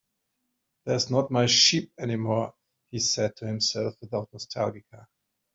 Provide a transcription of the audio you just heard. "They're not my sheep anymore," he said to himself, without nostalgia.